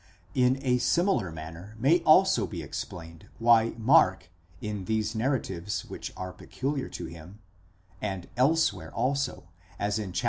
In a similar manner may also be explained why Mark in these narratives which are peculiar to him (and else where also, as in vi.